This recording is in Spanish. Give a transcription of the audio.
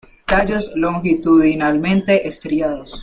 Tallos longitudinalmente estriados.